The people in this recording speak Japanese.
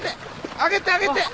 上げて上げて！